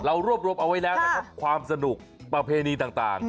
รวบรวมเอาไว้แล้วนะครับความสนุกประเพณีต่าง